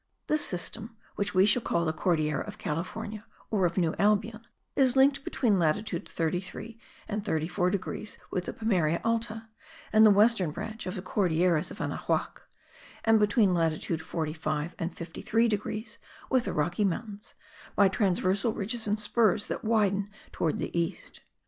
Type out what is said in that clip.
This system, which we shall call the Cordillera of California, or of New Albion, is linked between latitude 33 and 34 degrees with the Pimeria alta, and the western branch of the Cordilleras of Anahuac; and between latitude 45 and 53 degrees, with the Rocky Mountains, by transversal ridges and spurs that widen towards the east.